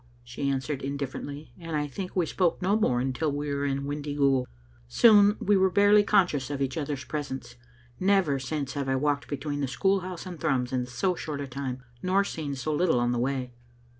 she answered indifferently, and I think we spoke no more until we were in Windyghoul. Soon we were barely conscious of each other's presence. Never since have I walked between the school house and Thrums in so short a time, nor seen so little on the way.